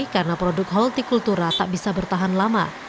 dan produk holti kultura tak bisa bertahan lama